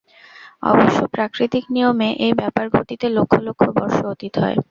অবশ্য প্রাকৃতিক নিয়মে এই ব্যাপার ঘটিতে লক্ষ লক্ষ বর্ষ অতীত হয়।